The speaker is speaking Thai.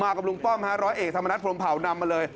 มากับลุงป้อมฮะร้อยเอกสมนตรภรรณภาวนำมาเลย